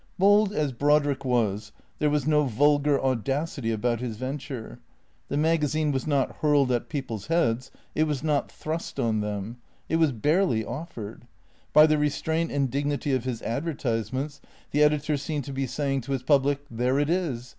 Bold as Brodrick was, there was no vulgar audacity about his venture. The magazine was not hurled at people's heads; it was not thrust on them. It was barely offered. By the restraint and dignitv of his advertisements the editor seemed to be saying 338 T H E C E E A T 0 K S 339 to his public, "There it is.